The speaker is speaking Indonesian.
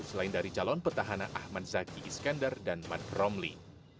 selain dari calon petahana ahmad zaki iskandar dan man romli